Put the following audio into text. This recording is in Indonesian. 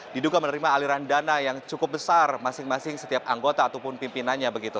diduga menerima aliran dana yang cukup besar masing masing setiap anggota ataupun pimpinannya begitu